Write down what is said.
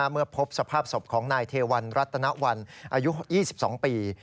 เมื่อพบสภาพศพของนายเทวันรัตนวันอายุ๒๒ปี